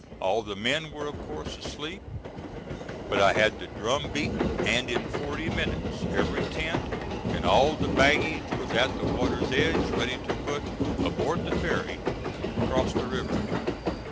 All the men were of course asleep, but I had the drum beaten, and in forty minutes every tent and all the baggage was at the water's edge ready to put aboard the ferry to cross the river.